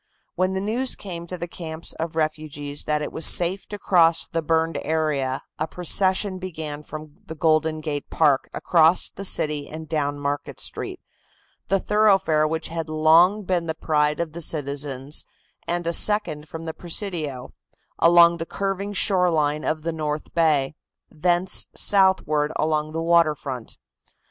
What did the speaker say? When the news came to the camps of refugees that it was safe to cross the burned area a procession began from the Golden Gate Park across the city and down Market Street, the thoroughfare which had long been the pride of the citizens, and a second from the Presidio, along the curving shore line of the north bay, thence southward along the water front.